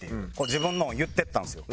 自分のを言っていったんですよ。